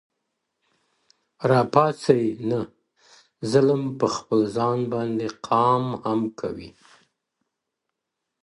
راپاڅي نۀ ظلم په خپل ځان باندې قام هم کوي